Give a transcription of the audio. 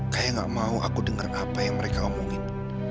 kayak gak mau aku dengar apa yang mereka omongin